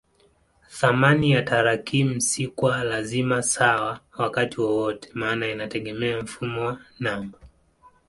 Thamani ya tarakimu si kwa lazima sawa wakati wowote maana inategemea mfumo wa namba.